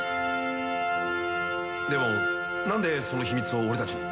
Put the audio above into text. でもなんでその秘密を俺たちに？